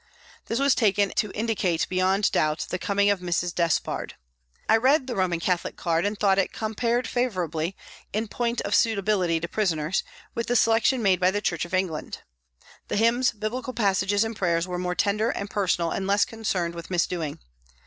This was taken to indi cate beyond doubt the coming of Mrs. Despard. I read the Roman Catholic card and thought it com pared favourably, in point of suitability to prisoners, with the selection made by the Church of England. The hymns, biblical passages and prayers were more tender and personal and less concerned with mis doing.